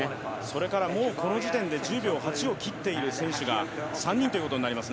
もうこの時点で１０秒８を切ってる選手が３人ということになります。